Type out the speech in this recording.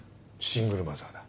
シングルマザーだ。